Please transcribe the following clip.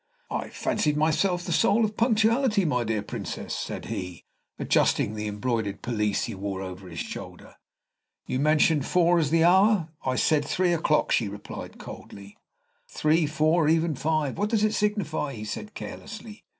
"I fancied myself the soul of punctuality, my dear Princess," said he, adjusting the embroidered pelisse he wore over his shoulder. "You mentioned four as the hour " "I said three o'clock," replied she, coldly. "Three, or four, or even five, what does it signify?" said he, carelessly.